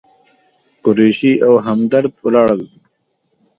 قریشي او همدرد ولاړل.